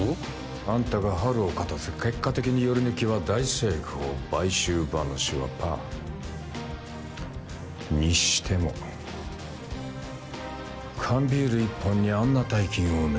あんたがハルを勝たせ結果的にヨリヌキは大成功買収話はパーにしても缶ビール１本にあんな大金をね